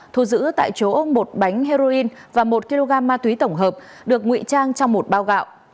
thu giữ tại chỗ một bánh heroin và một kg ma túy tổng hợp được nguy trang trong một bao gạo